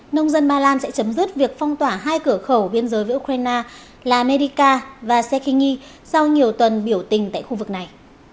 nông dân ba lan sẽ chấm dứt việc phong tỏa hai cửa khẩu biên giới với ukraine là merica và shekhini sau nhiều tuần biểu tình tại khu vực này